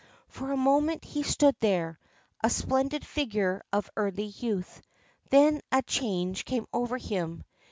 For a moment he stood there, a splendid figure of early youth. Then a change came over him.